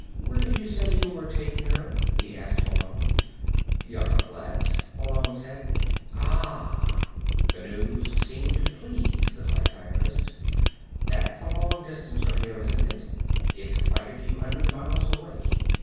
"Where did you say you were taking her?" he asked Malone. "Yucca Flats," Malone said. "Ah." The news seemed to please the psychiatrist. "That's a long distance from here, isn't it? It's quite a few hundred miles away.